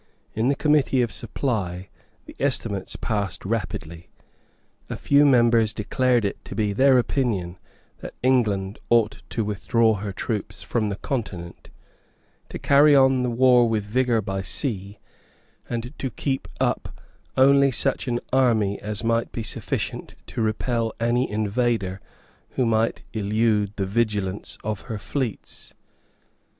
In the Committee of Supply the estimates passed rapidly. A few members declared it to be their opinion that England ought to withdraw her troops from the Continent, to carry on the war with vigour by sea, and to keep up only such an army as might be sufficient to repel any invader who might elude the vigilance of her fleets.